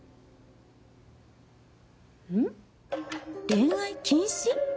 「恋愛禁止」！？